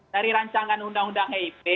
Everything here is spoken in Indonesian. dari rancangan undang undang hip